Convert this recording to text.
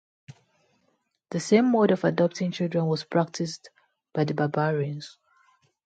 The same mode of adopting children was practiced by the barbarians.